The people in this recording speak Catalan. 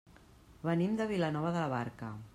Venim de Vilanova de la Barca.